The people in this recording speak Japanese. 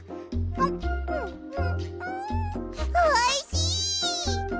おいしい！